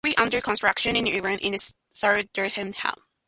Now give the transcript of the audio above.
Currently under construction in Iran is the Sardasht Dam.